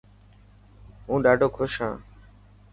هون ڏاڌي خوش هان.